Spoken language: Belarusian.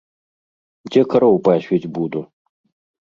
Дзе кароў пасвіць буду?!